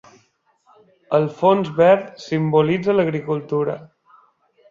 El fons verd simbolitza l'agricultura.